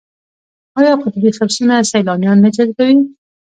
آیا قطبي خرسونه سیلانیان نه جذبوي؟